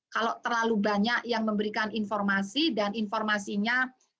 kalau terlalu banyak yang memberikan informasi dan informasinya